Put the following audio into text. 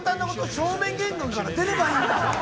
正面玄関から出ればいいんだ！